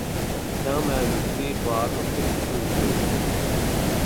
كەڭ مەنىدىكىسى بارلىق تۈركىي تىلنى كۆرسىتىدۇ.